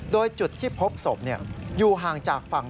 โดยจุดที่พบศพอยู่ห่างจากฝั่ง